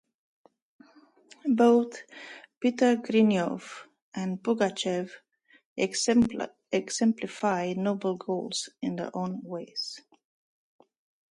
Both Peter Grinyov and Pugachev exemplify noble goals in their own ways.